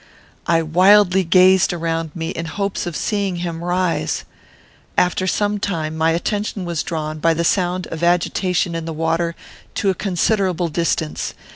I wildly gazed around me, in hopes of seeing him rise. After some time my attention was drawn, by the sound of agitation in the water, to a considerable distance.